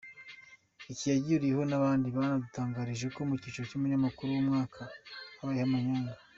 Iki yagihuriyeho n’abandi banadutangarije ko mu cyiciro cy’umunyamakuru w’umwaka habayeho amanyanga.